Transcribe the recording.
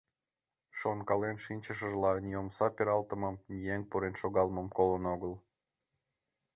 Шонкален шинчышыжла ни омса пералтымым, ни еҥ пурен шогалмым колын огыл.